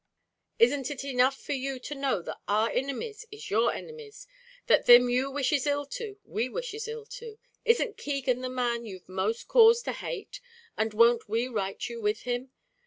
"Isn't it enough for you to know that our inimies is your inimies that thim you wishes ill to, we wishes ill to? Isn't Keegan the man you've most cause to hate, an' won't we right you with him?